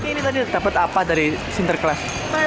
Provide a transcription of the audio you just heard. ini tadi dapat apa dari sinterklas